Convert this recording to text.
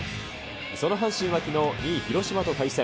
その阪神はきのう、２位広島と対戦。